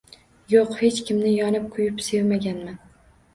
Yo`q, hech kimni yonib-kuyib sevmaganman